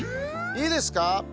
いいですか？